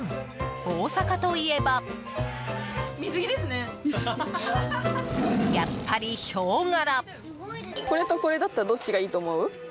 大阪といえばやっぱりヒョウ柄！